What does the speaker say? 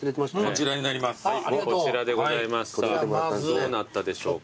どうなったでしょうか。